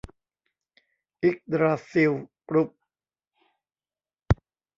อิ๊กดราซิล กรุ๊ป